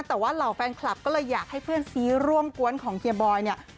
แต่ว่าเหล่าแฟนคลับก็เลยอยากให้เพื่อนซีร่วมกวนของเฮียบอยเนี่ย